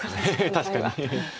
確かに。